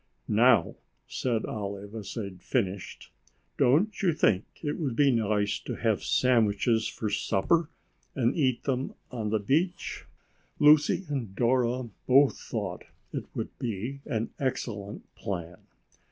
"Now," said Olive as they finished, "don't you think it would be nice to have sandwiches for supper and eat them on the beach?" Lucy and Dora both thought it would be an excellent plan.